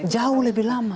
jauh lebih lama